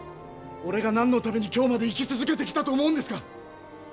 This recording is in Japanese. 俺が何のために今日まで生き続けてきたと思うんですか！？